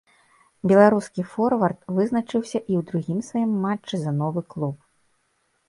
Беларускі форвард вызначыўся і ў другім сваім матчы за новы клуб.